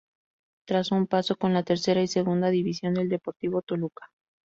Tras un paso con la Tercera y Segunda División del Deportivo Toluca.